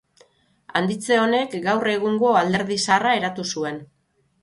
Handitze honek gaur egungo alderdi zaharra eratu zuen.